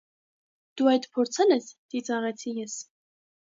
- Դու այդ փորձե՞լ ես,- ծիծաղեցի ես: